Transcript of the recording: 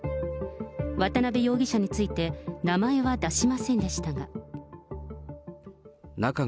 渡辺容疑者について、名前は出しませんでしたが。